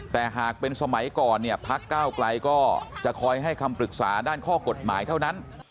แต่หากเป็นสมัยก่อนเนี่ยพักก้าวไกลก็จะคอยให้คำปรึกษาด้านข้อกฎหมายเท่านั้น